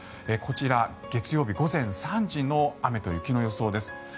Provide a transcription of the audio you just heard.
こちら、月曜日午前３時の雨と雪の予想です。